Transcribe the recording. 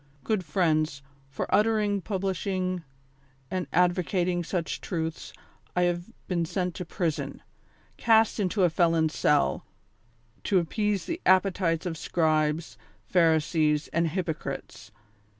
'' Good friends, for uttering, publishing and advocating such truths, I have been sent to prison ; cast into a felon's cell, to appease the appetites of scribes, pharisees and hypocrites.